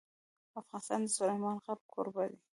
افغانستان د سلیمان غر کوربه دی.